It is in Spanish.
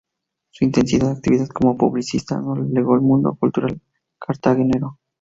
Su intensa actividad como publicista no le alejó del mundo cultural cartagenero.